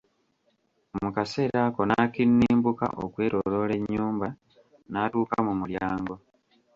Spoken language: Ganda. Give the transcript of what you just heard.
Mu kaseera ako n'akinnimbuka akwetooloola ennyumba n'atuuka mu mulyango.